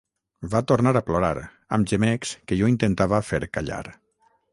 Va tornar a plorar, amb gemecs que jo intentava fer callar.